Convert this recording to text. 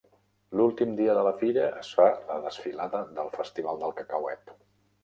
L'últim dia de la fira, es fa la desfilada del festival del cacauet.